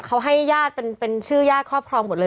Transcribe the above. เขาให้ญาติเป็นชื่อญาติครอบครองหมดเลย